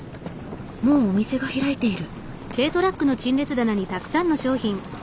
もうお店が開いている。